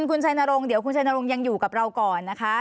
คุณชัยนรงค์เดี๋ยวคุณชัยนรงค์ยังอยู่กับเราก่อนนะคะ